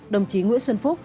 đồng chí nguyễn xuân phúc